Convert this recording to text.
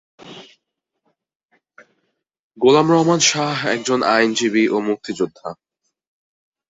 গোলাম রহমান শাহ একজন আইনজীবী ও মুক্তিযোদ্ধা।